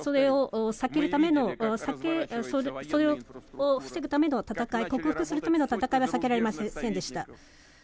それを、防ぐための戦い克服するための戦いは避けられませんでした。